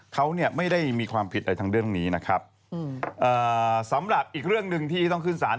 เขาเนี่ยไม่ได้มีความผิดอะไรทั้งเรื่องนี้นะครับสำหรับอีกเรื่องหนึ่งที่ต้องขึ้นสาร